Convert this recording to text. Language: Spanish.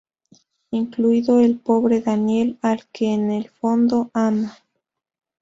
Incluido el pobre Daniel, al que en el fondo ama.